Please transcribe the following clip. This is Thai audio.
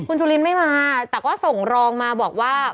คุณจุลินไม่มาแต่ก็ส่งรองมาบอกว่า